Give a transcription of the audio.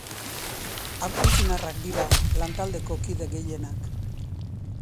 Argentinarrak dira lantaldeko kide gehienak.